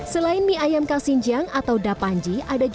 selain mie ayam khas xinjiang atau mida panji ada juga sate kambing